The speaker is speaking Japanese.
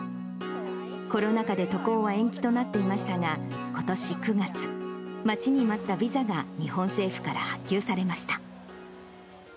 コロナ禍で渡航は延期となっていましたが、ことし９月、待ちに待ったビザが日本政府から発給されました。